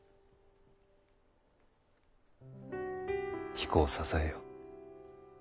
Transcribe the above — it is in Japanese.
彦を支えよ。